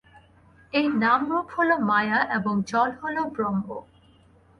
এই নাম-রূপ হল মায়া এবং জল হল ব্রহ্ম।